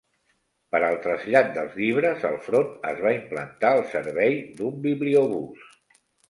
Per al trasllat dels llibres al front es va implantar el servei d'un bibliobús.